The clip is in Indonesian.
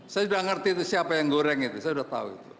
saya sudah ngerti itu siapa yang goreng itu saya sudah tahu itu